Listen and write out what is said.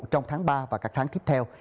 trong tháng ba và các tháng tiếp theo